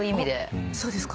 そうですか。